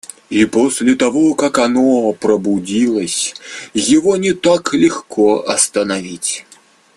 И после того как оно пробудилось, его не так легко остановить.